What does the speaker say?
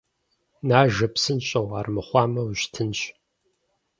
Нажэ, псынщӀэу, армыхъумэ, ущтынщ.